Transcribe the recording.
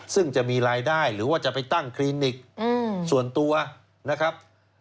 ซึ่งจะมีรายได้หรือว่าจะไปตั้งคลินิกส่วนตัวนะครับ